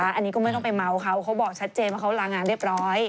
อันนี้ก็ไม่ต้องไปเมาเขาเขาบอกชัดเจนว่าเขาลางานเรียบร้อย